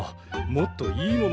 もっといいもの？